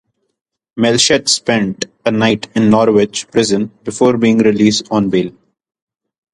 Melchett spent a night in Norwich Prison before being released on bail.